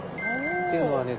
っていうのはね